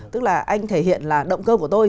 tức là anh thể hiện là động cơ của tôi